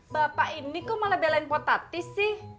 bapak ini kok malah belain potatis sih